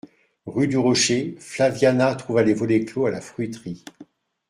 Rue du Rocher, Flaviana trouva les volets clos à la fruiterie.